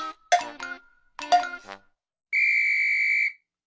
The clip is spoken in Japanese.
ピッ！